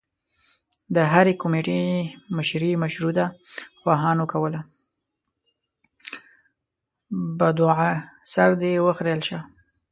بدوعا: سر دې وخرېيل شه!